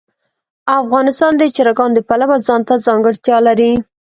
افغانستان د چرګان د پلوه ځانته ځانګړتیا لري.